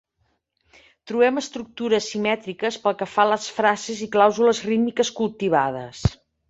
Trobem estructures simètriques pel que fa a les frases i clàusules rítmiques cultivades.